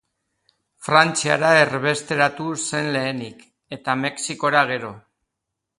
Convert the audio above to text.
Frantziara erbesteratu zen lehenik, eta Mexikora gero.